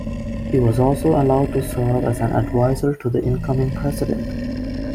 He was also allowed to serve as an advisor to the incoming president.